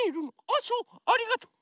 あそうありがとう。